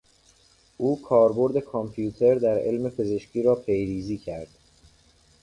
او کاربرد کامپیوتر در علم پزشکی را پیریزی کرد.